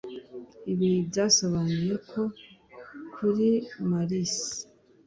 ibi byasobanuye ko kuri marisi